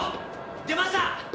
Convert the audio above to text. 出ました！